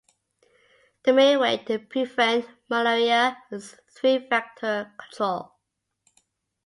The main way to prevent malaria is through vector control.